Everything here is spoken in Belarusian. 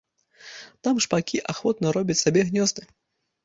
Там шпакі ахвотна робяць сабе гнёзды.